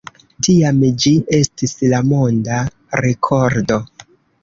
Tiam ĝi estis la monda rekordo.